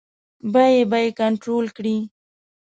بیې به کنټرول کړي.